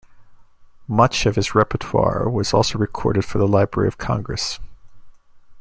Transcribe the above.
Much of his repertoire was also recorded for the Library of Congress.